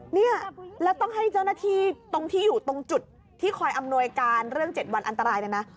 เนี่ยแล้วต้องให้เจ้าหน้าที่ตรงที่อยู่ตรงจุดที่คอยอำนวยการเรื่อง๗วันอันตรายเนี่ยนะ